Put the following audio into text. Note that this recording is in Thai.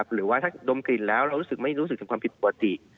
หรือว่าถ้าดมกลิ่นแล้วเรารู้สึกไม่รู้สึกถึงความผิดปกติ